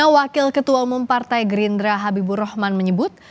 wakil ketua umum partai gerindra habibur rahman menyebut